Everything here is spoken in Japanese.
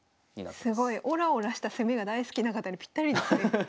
すごいオラオラした攻めが大好きな方にぴったりですね。